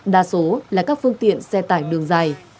đa số là các phương tiện xe tải đường dài